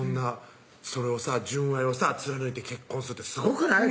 それをさ純愛をさ貫いて結婚するってすごくない？